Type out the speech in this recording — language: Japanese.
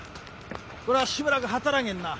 これはしばらく働けんな。